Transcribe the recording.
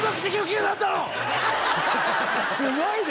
すごいね。